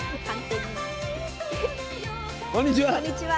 こんにちは。